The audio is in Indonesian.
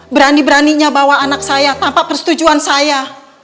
berani beraninya bawa anak saya tanpa persetujuan saya